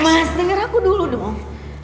mas denger aku dulu dong